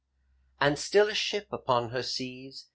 And still, a ship upon her seas.